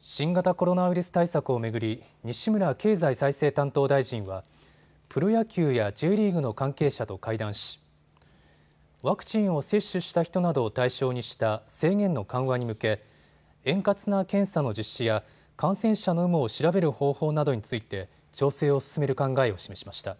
新型コロナウイルス対策を巡り西村経済再生担当大臣はプロ野球やＪリーグの関係者と会談し、ワクチンを接種した人などを対象にした制限の緩和に向け円滑な検査の実施や感染者の有無を調べる方法などについて調整を進める考えを示しました。